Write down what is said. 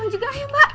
bapak ayo pergi keluar